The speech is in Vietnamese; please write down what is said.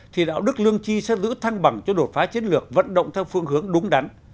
thì đạo đức lương chi sẽ giữ thăng bằng cho đột phá chiến lược vận động theo phương hướng đúng đắn